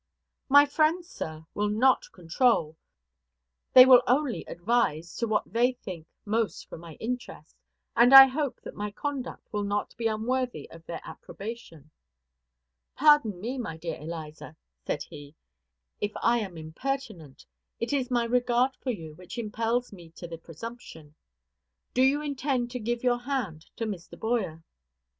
"My friends, sir, will not control, they will only advise to what they think most for my interest, and I hope that my conduct will not be unworthy of their approbation." "Pardon me, my dear Eliza," said he, "if I am impertinent; it is my regard for you which impels me to the presumption. Do you intend to give your hand to Mr. Boyer?"